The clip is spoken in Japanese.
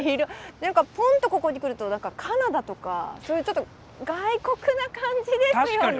何かポンッとここに来ると何かカナダとかそういうちょっと外国な感じですよね。